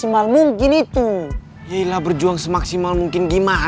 paling kurang sekali ehh